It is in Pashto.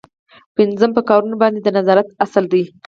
پنځم په کارونو باندې د نظارت اصل دی.